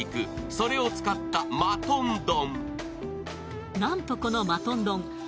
それを使ったマトン丼。